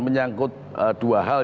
menyangkut dua hal